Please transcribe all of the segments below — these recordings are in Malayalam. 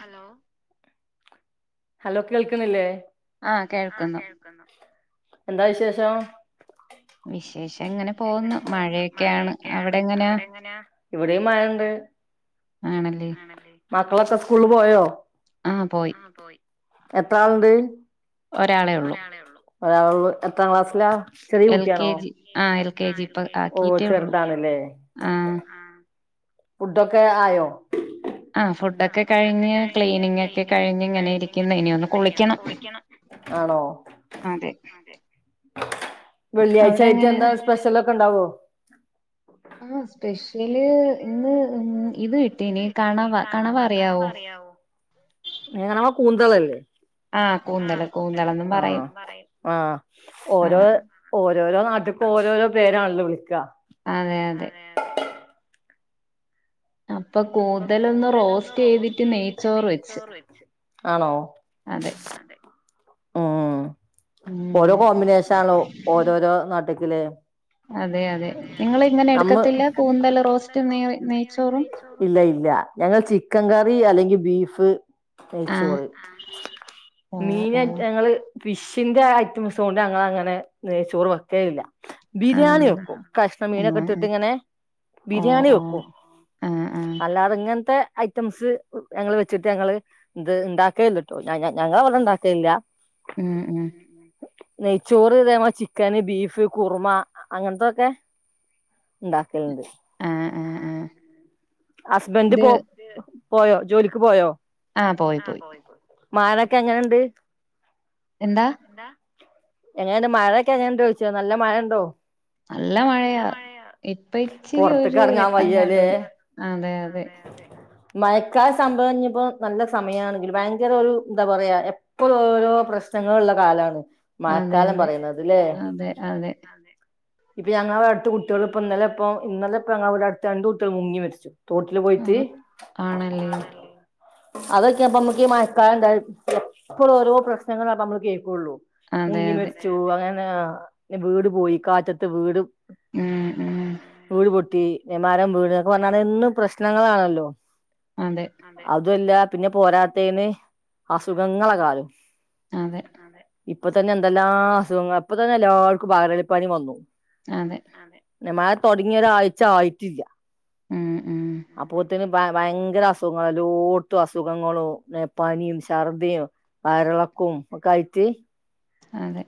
ഹലോ ഹലോ കേൾക്കണില്ലേ ആഹ് ആ കേൾക്കുന്നു കേൾക്കുന്നുണ്ട് എന്താ വിശേഷം വിശേഷം ഇങ്ങനെ പോകുന്നു മഴയൊക്കെയാണ് അവിടെ എങ്ങനെയാ ഇവിടെയും മഴണ്ട് ആണല്ലേ മക്കളൊക്ക സ് [unintelligible] പോയോ ആ പോയി എത്രാളുണ്ട് ഒരാളെ ഉള്ളൂ ഒരാളുള്ളൂ എത്രാ ക്ലാസ്സിലാ ചെറിയ എൽ കെ കുട്ടിയാണോ ജി ആ എൽ കെ ജി ഇപ്പൊ ഓ ആക്കിട്ടേ ഉള്ളൂ ചെറുതാണല്ലേ ആ ഫുഡോക്കെ ആയോ ആ ഫുഡൊക്കെ കഴിഞ്ഞ് ക്ലീനിങ് ഒക്കെ കഴിഞ്ഞ് ഇങ്ങനെ ഇരിക്കുന്നെ ഇനി ഒന്ന് കുളിക്കണം ആണോ അതെ വെള്ളിയാഴ്ച അവിടെ ആയിട്ട് എങ്ങനെയാ എന്താ സ്പെഷ്യലൊക്കെ ഇണ്ടാവോ ആ സ്പെഷ്യല് ഇത് കിട്ടീനി കണവ കണവ അറിയാവോ [inaudible] കൂന്തളല്ലേ ആ കൂന്തള് കൂന്തള് പറയും ആ ഓരോ ആഹ് ഒ ഓരോരോ നാട്ടുക്കും ഓരോരോ പേരാണല്ലോ വിളിക്ക്യ അതെ അതെ അപ്പൊ കൂന്തലൊന്ന് റോസ്റ്റ് ചെയ്തിട്ട് നെയ്ച്ചോറ് വെച്ച് അതെ ആ ഓരോ ഉം കോമ്പിനേഷ ണോ ഓരോരോ നാട്ട് ഇതിലെ അതെ അതെ നിങ്ങള് ഇങ്ങനെ എടുക്കത്തില്ല കൂന്തല് റോസ്റ്റ് നേർ നെയ്ച്ചോറും ല്ല ഇല്ല ഞങ്ങൾ ചിക്കൻ കറി അല്ലെങ്കിൽ ബീഫ് ആഹ് നെയ്‌ച്ചോറ് ഓ ഓ മീനേറ്റ് ഞങ്ങള് ഫിഷിന്റെ ഐറ്റംസ് കൊണ്ട് അങ്ങളങ്ങനെ നെയ്‌ച്ചോറ് വെക്കലില്ല ബിരിയാണി ആണല്ലേ വെക്കും കഷ്ണം മീനൊക്കെ ആഹ് ഇട്ടിട്ട് ആഹ് ഇങ്ങനെ ഓ ബിരിയാണി ഓ വെക്കും ആഹ് ആഹ് അല്ലാതിങ്ങനത്തെ ഐറ്റംസ് ഞങ്ങള് വെച്ചിട്ട് ഞങ്ങള് ഇത് ഇണ്ടാക്കുകല്ലാട്ടോ ഞ ഞ ഞങ്ങൾ ഇവിടെ ഇണ്ടാക്കലില്ല [inaudible] ഉം ഉം നെയ്ച്ചോറ് ഇതേ പോ ചിക്കന് ബീഫ് കുറുമാ അങ്ങനത്തൊക്കെ ഇണ്ടാ ക്കെൽണ്ട് ആഹ് ആഹ് ആഹ് ഹസ്ബന്റ് ഇത് പോ പോയോ ജോലിക്ക് പോയോ പോയി ആഹ് പോയി പോയ് മകനൊക്കെ എങ്ങനെണ്ട്. എന്താ എങ്ങനെണ്ട്മഴൊക്കെ എങ്ങനെുണ്ടോ ചോദിചെ നല്ല മഴ ഉണ്ടോ നല്ല മഴയാണ് ഇപ്പ ഇച്ചിരി പൊറത്ത്ക്ക് ഒരു എറങ്ങാൻ വെട്ടം കാണു- അതെ അതെ മയക്കാല സംഭവംഞ്ഞ്പ്പോ നല്ല സമയമാണെങ്കിൽ ഭയങ്കര ഒരു എന്താ പറയാ എപ്പോഴും ഓരോ പ്രശ്നങ്ങൾ ഉള്ള കാലാണ് മഴ അതെ കാലം അതെ പറയുന്നത് ലേ അതെ അതെ ഞങ്ങളടെ അടുത്ത കുട്ടികൾ ഇപ്പ ഇന്നലെ ഇപ്പോ അടുത്ത് രണ്ട് കുട്ടികൾ മുങ്ങി മരിച്ചു തോട്ടില് പോയിട്ട് ആഹ് ആണല്ലേ അതൊക്കെപ്പ നമ്മുക്ക് ഈ മയക്കാലം ഉണ്ടാഎപ്പോഴ ഓരോ പ്രശ്നങ്ങൾ നമ്മള് കേൾക്കുള്ളൂ അതെ മുങ്ങി അതെ മരിച്ചു അങ്ങനെ ആ വീട് പോയി കാറ്റത്ത് വീട് ഉം ഉ വീട് മരം വീണ് എന്ന് പ്രശ്നങ്ങളാണല്ലോ അതെ അതുല്ലാ പിന്നെ പോരാത്തേന്ന് അസുഖങ്ങളെ കാലം അതെ ഇപ്പ തന്നെ എന്തെല്ലാ അസുഖങ്ങൾ ഇപ്പൊ തന്നെ എല്ലാവർക്കും വയറൽ പനിവന്നു അതെ മഴ തുടങ്ങി ഒരാഴ്ച ആയിട്ടില്ല ഉം ഉം അപ്പോത്തിന് ഭയങ്കര അസുഖങ്ങൾ എലോട്ത്തും അസുഖങ്ങളും പനി ചർദി വയർ ഇളക്കംഒക്കെ ആയിട്ട് അതെ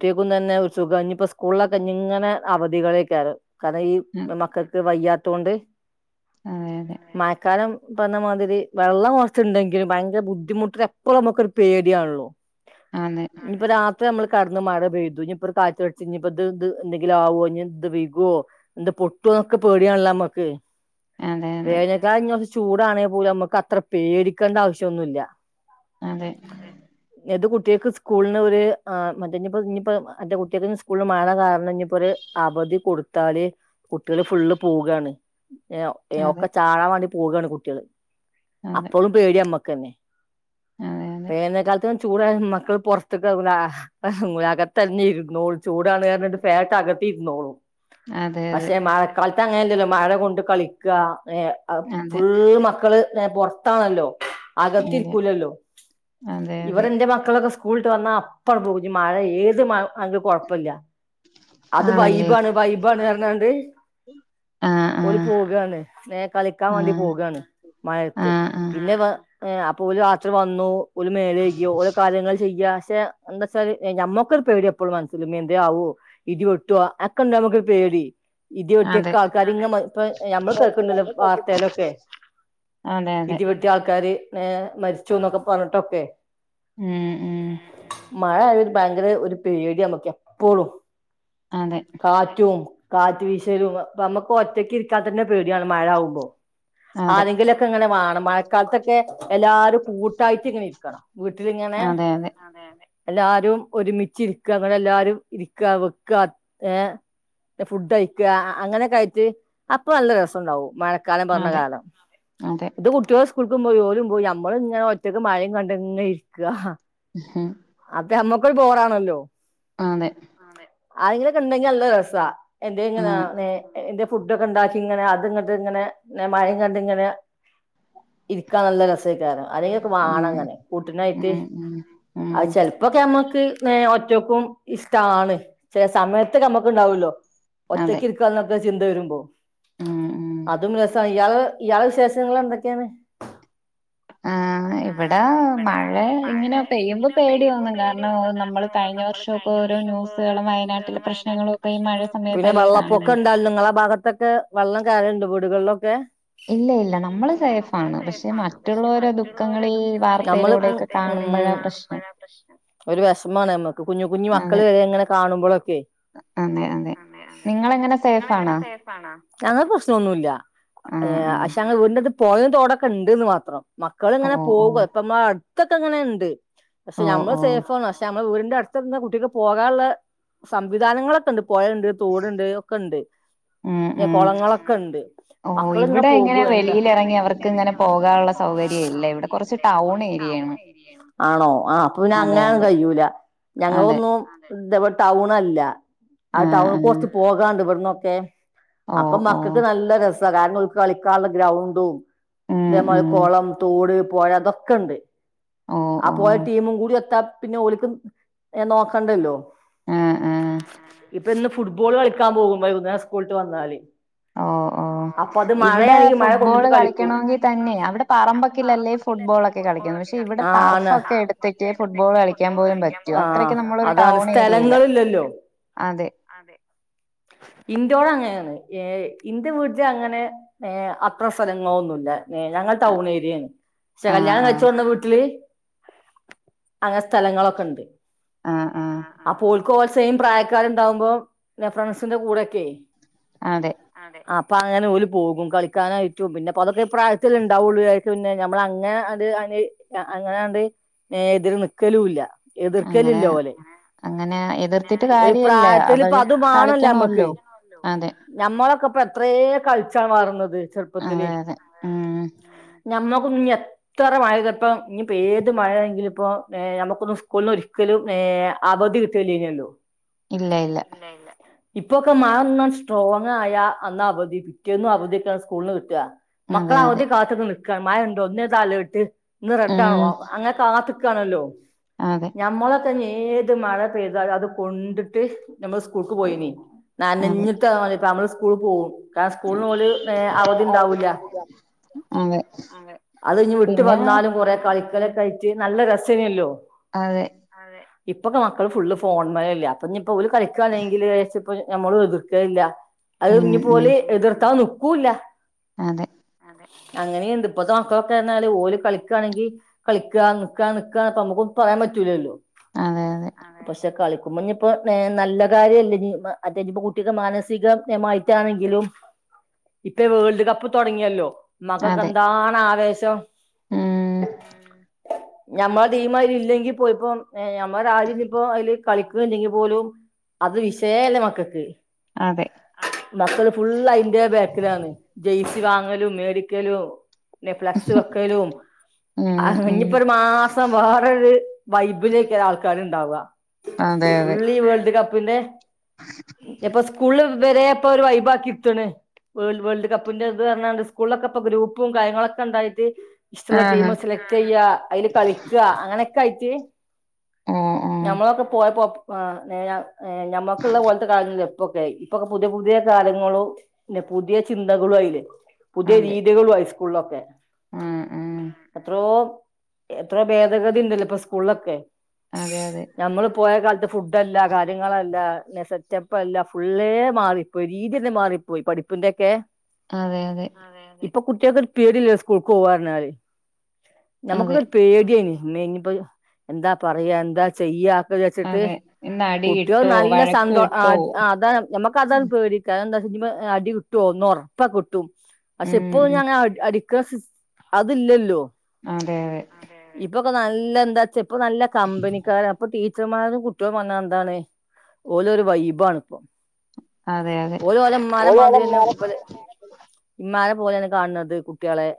കുട്ടിക്കും തന്നെ സുഖം [unintelligible] സ്കുൾ ഇഞ് അവധികൾ [unintelligible] [unintelligible] ഈ അതെ മക്കൾക്ക് വയ്യാ അത് കൊണ്ട് അതെ അതെ മഴക്കാലം ഇ പറഞമാതിരി വെള്ളം കുറച്ചുണ്ടെങ്കിലും ഭയങ്കര ബുദ്ധിമുട്ടിന് എപ്പഴുനമുക്കൊ ഒരു പേടിയാണല്ലോ ഇപ്പൊ രാ ഇ നമ്മൾ കടന്ന് മഴ പെയ്തു ഇനിപ്പോകാറ്റ് അടിച്ച് ഇഞ്ഞ് ഇപ്പോ ഇത്എന്തെങ്കിലും ആവോ ഇത് വികുവോ എന്ത പൊട്ടുവോന്നൊക്കെ പേടിയാണല്ലോ നമുക്ക് അതെ അതെ വേനൽ കാല ഇ- ചൂടാണെങ്കിൽ പോലും നമ്മുക്ക് അത്ര പേടിക്കേണ്ട ആവശ്യ ഒന്നുല്ല അതെ എത് കുട്ട കുട്ടികക്ക് സ്കൂളിന് ഒരു ആ മറ്റേ ഇനിയിപ്പോ ഇനിയിപ്പോ എന്റെ കുട്ടിയക്ക് സ്കൂളിൽ മഴ കാരണം ഇനിയിപ്പോ ഒരു അവധി കൊടുത്താലെ കുട്ടികള് ഫുള്ള് പോകാണ് ഏ അതെ ഒക്ക ചാള വണി പോകയാണ് കുട്ടികള് അതെ അപ്പോളും പേടി അമ്മക്കന്നെ അതെ വേനൽകാലത്ത് ചൂടെ മക്കൾ പുറത്തേക്കല [unintelligible] ആഹ് അകത്തന്നെ ഇരുന്നോളൂ ചൂടാണ് കാരണിട്ട് ഫാനിട്ട് അകത്തി ഇരുന്നോളു അതെ പക്ഷെ മഴ കലത്തങ്ങ മഴ കൊണ്ട് കളിക്കുക അതെ അതെ ഫുള്ള് മക്കള് പുറത്താണല്ലോ അതെ അകത്തിരിക്കൂലല്ലോ അതെ ഇവർ അതെ എന്റെ മക്കളൊക്കെ സ്കൂ സ്കൂളിട്ട് വന്നാ അപ്പഴ പോക മഴ ഏത് അ കുഴപ്പില്ല അത് ആണല്ലേ വൈബാണ് വൈബാണ് പറഞ്ഞോണ്ട് ആഹ് ഓര് ആഹ് പോവകയാണ് നേ കളിക്കാൻ വേണ്ടി ആഹ് പോകയാണ് മഴത്ത് ആഹ് ആഹ് പിന്നെ വ ഏ അപ്പോരു രാത്രി വന്നു ഒരു മേലക്കയോ ഓരോ കാര്യങ്ങൾ ചെയ്യാ [unintelligible] എന്തെസാല് ഏ ഞമ്മക് ഒരു പേടി എപ്പോഴും മനസില് ഇനി എന്തേലും ആവോ ഇടിവെട്ടുവോ അക്കെണ്ട്മ്മക്കോരു പേടി അതെ ഇടിവെട്ടിയക്കെ ആൾക്കാര് ഇങ്ങനെ ഇപ്പ ഞമ്മള് കേൾക്കണ്ടല്ലോ വാർത്തയിലൊക്കെ അതെ അതെ ഇടിവെട്ടിയ ആൾക്കാര് മരിച്ചുന്നൊക്കെ പറഞ്ഞിട്ടൊക്കെ ഉം ഉം മഴ ആയാൽ ഒരു ഭയങ്കര ഒരു പേടിയാമ്മക്കെ എപ്പോഴും അതെ കാറ്റും കാറ്റ് വീശലും അപ്പൊ നമ്മക്ക് ഒറ്റക്ക് ഇരിക്കാത്തന്നെ പേടിയാണ് മഴ ആകുമ്പോ അതെ ആരെങ്കിലൊക്കെ ഇങ്ങനെ വേണം മഴക്കാലത്തൊക്കെ എല്ലാവരും കൂട്ടായിട്ട് ഇങ്ങനെ ഇരിക്കണം വീട്ടിലിങ്ങനെ അതെ അതെ എല്ലാരും ഒരുമിച്ച് ഇരിക്ക അങ്ങനെ എല്ലാരും ഇരിക്ക വെക്ക ഏ ഫുഡ് കഴിക്ക അങ്ങനെയൊക്കെയായിട്ട് അപ്പൊ നല്ല രസണ്ടാവും മ കാലം പറഞ്ഞ അതെ കാലം അതെ ഇത് [unintelligible] കൊടുക്കുമ്പോ ജോലും പോയി നമ്മളും ഇങ്ങനെ ഒറ്റക്ക് മഴയും കണ്ടങ്ങനെ ഇരിക്കുക ഹ്മ് മ്മക്കൊരു ബോറാണല്ലോ അതെ ആരെങ്കിലൊക്കെ ഒണ്ടെങ്കിൽ നല്ലാ രസാ എന്തെങ്ങനാ ആഹ് വേ എന്റെ ഫുഡൊക്കെ ഒണ്ടാക്കി ഇങ്ങനെ അത്ങ്ങോട്ട് ഇങ്ങനെ മഴ കണ്ടിയിങ്ങനെ ഇരിക്കാൻ നല്ല രസക്കാര്യാ ആരെങ്ങെക്കെ വാണം ഉം ഇങ്ങനെ കൂട്ടിനായിട്ട് ഉം ഉം ആ ഉം ചെലപ്പോക്കെ നമ്മക്ക് നേ ഒ [unintelligible] ഇസ്ട്യാണ് ചെല സമയത്ത് നമക്ക് ഉണ്ടാവുല്ലോ അതെ [unintelligible] ചിന്താവെരുമ്പോ ഉം ഉം അതും രെസായായി ഇയാള് ഇയാളെ വിശേഷങ്ങള് എന്തൊക്കെയാണ് ആ ഇവടെ മഴ ഇങ്ങനെ പെയ്യുമ്പോ പേടി പെയ്യുമ്പോ തോന്നും പേടി കാരണം തോന്നും നമ്മള് കാരണം കഴിഞ്ഞ നമ്മള് വർഷമൊക്കെ കഴിഞ്ഞ ഓരോ വർഷം ഓരോ ന്യൂസുകളും ന്യൂസ കളും വയനാട്ടിലെ പ്രശ്നങ്ങളും വയനാട്ടിലെ ഒക്കെ ഈ മഴ പ്രശ്നങ്ങളെക്കേ പിന്നാ സമയത്തല്ലേ വള്ളപ്പൊക്കെ കാണുന്നെ ഉണ്ടാലന്നുർ നിങ്ങളെ ഭാഗത്തൊക്കെ വള്ളം കെറിയുണ്ട് വീടുക വൈള്ളൊക്കെ ഇല്ല ഇല്ല നമ്മള് സേഫാണ് പശെ മറ്റുള്ളവരെ ദുഃഖങ്ങളി വാർത്തയിലൂടെക്കെ കാണുമ്പോഴാ പ്രശ്നം ഒര് വെഷമാണ് നമ്മക്ക് കുഞ്ഞ് കുഞ്ഞ് അതെ മക്കള് വെങ്ങനെ കാണ അതെ അതെ [unintelligible] നിങ്ങളെങ്ങനെ സേഫാണോ? ഞങ്ങക്ക് പ്രശ്നെന്നില്ലാ ആഹ് ആ ആഹ് ശേ ഞങ്ങടെ വീട്ടിയെട്ടത്ത് [unintelligible] ഉണ്ട്ന്ന് മാത്രം മക്കള് ഇങ്ങനെ ഓഹ് പോവുവാ ഓഹ് ഇപ്പമ്മ ഇതൊക്കെ അങ്ങനെ ഒണ്ട് പശെ ഓഹ് നമ്മള് ഓഹ് സേഫാന്നാണ് പശെ നമ്മള് വീടി [unintelligible] കുട്ടിക്ക് പോകാനെള്ള സംവിധാനങ്ങളൊക്കെ ഒണ്ട് പെഴെണ്ട് തോടയെ ഒക്കെ ഒണ്ട് ഉം ഉം കൊളങ്ങളൊക്കെ ഒണ്ട് ഓഹ് മക്കളിങ്ങ്യാ ഇവിടെ പോകു ഇങ്ങനെ എന്താ വെളിയിലെറങ്ങി അവർക്ക് ഇങ്ങനെ പോകാനുള്ള സൗകര്യം ഇല്ല. ഇവിടെ കൊറച്ച് ടൗൺ ഏരിയയാണ്. [unintelligible] അതെ അതെ അതെ ഇതെപോലെ ടൗണാല്ലാ ആ ആഹ് ടൗണ്ക്ക് ആഹ് കൊറാച്ച് പോകാണ്ട് ഇവടന്ന് ക്കെ ഓഹ് അപ്പം ഓഹ് മക്കക്ക് നല്ലാ രസാ കാരണം ഇവർക്ക് കളിക്കാ ഉള്ള ഗ്രൗണ്ടും ഉം ഇതെ മേലെ ഉം കോളം തോട് പോലതൊക്കെ ഒണ്ട് ഓഹ് അപ്പോയ ഓഹ് ടീമും കൂടി എത്താം പിന്നെ ഓലിക്കും നോക്കണ്ടല്ലോ ആഹ് ആഹ് ആഹ ആഹ ഇപ്പ ഇന്ന് ഫുട്ബോൾ കളിക്കാൻ പോകും വൈകുന്നേരം സ്കൂൾ വിട്ട് വന്നാല് ഓ ഓ അപ്പൊ അത് ഇവിടെ മഴയാണെങ്കിൽ മഴ ഫുട്ബോൾ കൊണ്ടിട്ട് കളിക്കും കളിക്കണമെങ്കിൽ തന്നെ അവിടെ പറമ്പൊക്കിലല്ലേ ഫുട്ബോൾൊക്കെ കളിക്കുന്നു പക്ഷെ ഇവിടെ ആണ് ടർഫൊക്കെ എടുത്തിട്ട് ഫുട്ബോൾ കളിക്കാൻ പോലും പറ്റും അത്രക്കെ ആ നമ്മളൊരു അതാണ് ടൗൺ ഏരിയയില സ്ഥലങ്ങളില്ലല്ലോ അതെ അത് അങ്ങനെയാണ് ഇന്റെ വിട്ടില് അങ്ങനെ അത്ര സ്ഥലങ്ങളൊന്നുല്ല ഏ ഞങ്ങൾ ടൗൺ ഏരിയാണ് പക്ഷേ ആഹ് കല്യാണം ആഹ് കഴച്ചോട്ന്നാ വീട്ടില് അങ്ങനെ സ്ഥലങ്ങളൊക്കെ ഉണ്ട് ആ ആ കോൾസയും പ്രായക്കാരുംണ്ടാവുമ്പോ ഫ്രണ്ട്‌സിന്റെ കൂടെയൊക്കെ അതെ ആ അപ്പൊ അങ്ങനെ പോലും പോകും കളിക്കാനായിറ്റും പിന്നെപ്പൊ അതൊക്കെഈ പ്രായത്തില് ഉണ്ടാവുള്ളൂന്നെ നമ്മള അങ്ങനെ അത് അങ്ങനാണ്ട് എതിര് നിക്കലുംല്ല അങ്ങനെ അങ്ങനെ എതിർത്തിട്ട് ഒരു കാര്യല്ല പ്രായത്തില് ഇപ്പ അവര് അതുമാണല്ലോ കളിക്കണല്ലോ അതെ അ എത്രേ കളിച്ചാണ് വളർന്നത് ചെർപ്പത്തില് അതെ അതെ ഉം ഞമ്മക്ക് ഈ എത്ര മഴയ്തിട്ടും ഇനിയിപ്പോ ഏത് മഴയെങ്കിലു ഇപ്പോ നമുക്കൊന്ന് സ്കൂളിന് അവധി കിട്ടെലില്ലല്ലോ ഇല്ല ഇല്ല ഇപ്പൊക്കെ മഴൊന്ന് സ്ട്രോങ് ആയാ അന്ന അവധി പിറ്റേന്നും അവധിയൊക്കെ സ്കൂളിന് കിട്ട അതെ മക്കളാ അതെ അവധി കാത്തക്ക്ന്നു [inaudible] ഉം താവോ അങ്ങനെ കാത്ത് കാണല്ലോ അതെ ഞമ്മലോക്കിഞ് ഏത് മഴ പെയ്താലും അത് കൊണ്ടിട്ട് നമ്മള് സ്കൂൾക്ക് പോയിനി അതെ നനഞ്ഞിട്ട നമ്മള്ള്സ്കൂൾ സ്കൂൾ പോവും കാരണം സ്കൂളിന് പോലും അവധി ഇണ്ടാവൂല്ല അതെ അത് ഇഞ്ഞ് വിട്ട് പിന്നെ വന്നാലും കൊറേ [unintelligible] നല്ല രസേനല്ലോ അതെ ഇപ്പൊക്കെ മക്കള് ഫുള്ള് ഫോൺ മലല്ലേ അപ്പഞ്ഞി ഇപ്പോല് കളിക്കാണെങ്കില്ര്ച്ച് പ്പൊഴ്‌, നമ്മള് എതിർക്കേല്ല. അത്, ഉം ഇത്, ഉം പോലെ, എതിർത്തതാണ്. ഊല അതെ അങ്ങനെയുണ്ട് ഇപ്പൾത്തെ, മക്കളൊക്കെന്നർഞ്ഞാല് ഓല് കളിക്കാണെങ്കി കളിക്കാ, നിക്കാ, നിക്കാന്ന് നമുക്ക്, പറയാൻ, പറ്റൂലല്ലോ. അതെ അതെ പക്ഷേകളി കുമ്മഞ്ഞി പ്പോ ന്നേ നല്ല കാര്യേല്ല ഞ് മ അതെ ഞ്പ കുട്ടിക്ക് മാനസികഎ മായിട്ടാണെങ്കിലും ഇപ്പൊ വേൾഡ് കപ്പ് തുടങ്ങിയല്ലോ. മക്കൾക്ക് അതെ എന്താണ് ആവേശം. [unintelligible] ഉം ഞമ്മള് ടീം അയില് ഇല്ലെങ്കി പോയിപ്പോ എ ഞമ്മ രാര് നിപ്പോ അയില് കളിക്ക്‌ണ്ടെങ്കി പോലും അത് വിശയേല്ല മക്കൾക്ക്. അതെ മക്കള്, ഫുള്ള്, അതിന്റെ, ബാക്കിലാണ്, ജയിക്ക [inaudible] വാങ്ങലും, മേടിക്കലു. നെ ഫ്ലെക്സ് വെക്കലും. ഉം അഹ് ഉം ഞ്ഞിപ്പോ ഒരു മാസം വേറരു വൈബിലയ്കാരം ആൾക്കാര്. ണ്ടാവ അതെ അതെ ഒള്ളി, വേൾഡ്കപ്പ്. പിന്നെ എപ്പൊ, സ്കൂളില്, വരെപ്പൊ, ഒരു, വൈബാക്കി, എടുക്കണ്. വേൾ വേൾഡ്കപ്പിന്റെത് അർഞാണ്ട് സ്കൂൾലൊക്കെ പ്പൊ ഗ്രൂപ്പും കാര്യങ്ങളൊക്കെ ണ്ടായിട്ട്. ഇഷ്ട്ടള്ള ആഹാ ടീമ് സെലക്ട് ചെയ്യാ അയ്ല് കളിക്ക അങ്ങനെക്കെ ആയിട്ട് ഓ ഓ ഞമ്മളൊക്കെ പോയപ്പോ പ് ആ [unintelligible] ഏ ഞമ്മക്ക് ഇള്ള പോൽത്ത കാലല്ല ഇപ്പൊ ഇപ്പൊക്കെ പുതിയ പുതിയ കാലങ്ങളു ന്നെ പുതിയ ചിന്തകളും ആയിലേ പുതിയ രീതികളും ആയി സ് ക്കൂള്ളൊക്കെ ഉം ഉം എത്രോ എത്രേ ഭേദഗതി ഇണ്ടല്ലോ ഇപ്പൊ സ്കൂളിലൊക്കെ. അതെ അതെ നമ്മള് പോയ കാല ത് ഫുഡല്ല, കാര്യങ്ങളല്ല, സെറ്റപ്പ് അല്ല, ഫുള്ളേ, മാറിപ്പോയി, രീതി തന്നെ മാറിപ്പോയി. പഠിപ്പിന്റെയൊക്കെ അതെ അതെ ഇപ്പൊ കുട്ടിയോക്കൊരു പേടില്ല സ്കൂൾക്ക് പോവാ പറഞ്ഞാല്. നമകൊക്കെ അതെ ഒരു പേടെയ്നിം മ്മേ ഇനിപ്പോ എന്താ പറയാ എന്താ ചെയ്യാ വിചാര്ച്ചിട്ട് അതെ ഇന്ന് അടി കുട്ടികൾ കിട്ടോ നല്ല വഴക്ക് സന്തോ അ കിട്ടോ അതാണ് ഞ ഞമ്മക്ക് അതാണ് ഉം പേടി കാരണം എന്താ [unintelligible] അടി കിട്ടുവോന്ന് ഒറപ്പ കിട്ടും പക്ഷെ ഉം ഇപ്പോ ഉം. ഞാൻങ്ങ അടി അടി [unintelligible] അതില്ലല്ലോ അതെ അതെ ഇപ്പൊക്കെ നല്ല എന്താച്ചാ ഇപ്പൊ നല്ല കമ്പനിക്കാര അപ്പൊ ട്ടി ടീച്ചർമാരും കുട്ടികളും പറഞ്ഞാൽ എന്താണ് ഓലൊരു വൈബാണിപ്പം അതെ അതെ ഇബല് ഇമ്മാരെ പോലെയാണ് കാണുന്നത് കുട്ട്യാളെ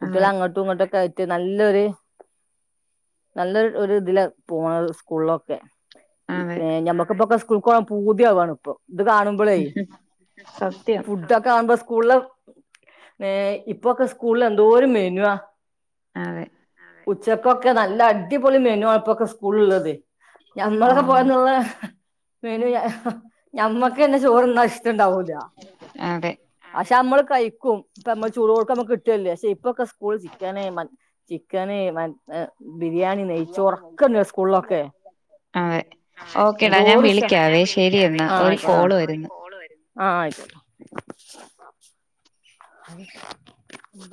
കുട്ട്യാള് അതെ അങ്ങട്ട് അങ്ങനൊക്കായിട്ട് നല്ലൊരു നല്ലൊ രു ഇതില പോണത് സ്കൂൾലൊക്കെ അതെ ഏ ഞമ്മക്ക് ബൊക്കസ് സ്കൂൾകോവാൻ പൂതിയാവാണ് ഇപ്പൊ ഇത് കാണുമ്പോളേ സത്യം ഫുഡൊക്കെ കാണുമ്പോ സ് സ്കൂളൊ ഏ ഇപ്പൊക്കെ സ്കൂളിൽ എന്തോര് മെനുആ അതെ ഉച്ചക്കൊക്കെ നല്ല അടിപൊളി മെനു ആണപ്പൊക്കെ സ്കൂള ഉള്ളത് ഓ ഞമ്മളൊക്കെ പോയന്നുള്ള മെനു ഞമ്മക്ക്ന്നെ ചോറ്ന്നാ- ട്ടണ്ടുവൂല അതെ പഷേ മ്മള് കൈ ക്കും ഇപ്പം ചൂടോടക്കെ നമക്ക് കിട്ടല്ലേ ക്ഷെ ഇപ്പൊക്കെ സ്കൂൾ ജീ ചിക്കന് മ ചിക്കന് മ അതെ ഓക്കേടാ ഞാൻ വിളിക്കാവേ ശരി എന്നാ ഒരു കോള് വരുന്നു [unintelligible] [unintelligible] [unintelligible]